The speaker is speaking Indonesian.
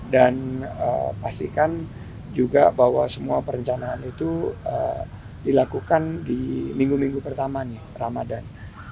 dan pastikan juga bahwa semua perencanaan itu dilakukan di minggu minggu pertama ramadhan